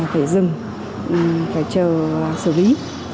phải dừng phải chờ xử lý